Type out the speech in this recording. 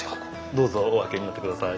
どうぞお開けになってください。